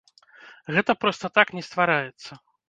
Гэта проста так не ствараецца.